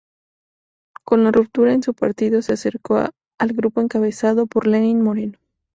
Con la ruptura en su partido, se acercó al grupo encabezado por Lenín Moreno.